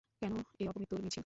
কেন এ অপমৃত্যুর মিছিল?